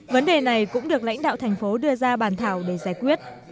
vấn đề này cũng được lãnh đạo thành phố đưa ra bàn thảo để giải quyết